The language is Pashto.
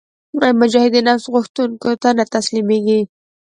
مجاهد د نفس غوښتنو ته نه تسلیمیږي.